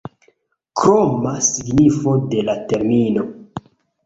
Kroma signifo de la termino.